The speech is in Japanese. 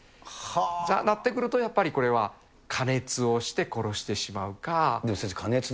そうなってくると、やっぱりこれは加熱をして殺してしまうか。